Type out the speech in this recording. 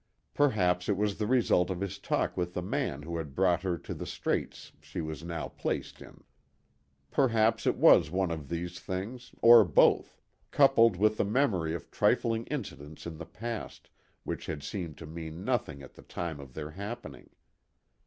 Perhaps it was the result of his talk with the man who had brought her to the straits she was now placed in. Perhaps it was one of these things, or both, coupled with the memory of trifling incidents in the past, which had seemed to mean nothing at the time of their happening.